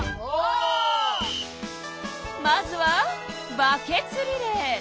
まずはバケツリレー。